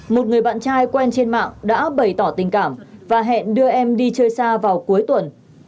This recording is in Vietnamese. một người bạn trai quen trên mạng đã bày tỏ tình cảm và hẹn đưa em đi chơi xa vào cuối tuần